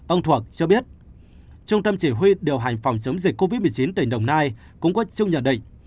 ông thuộc cho biết trung tâm chỉ huy điều hành phòng chống dịch covid một mươi chín tỉnh đồng nai cũng có chung nhận định